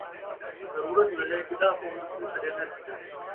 ضرورت ویلھے گݙان٘ھ کوں وی پیو سݙین٘دن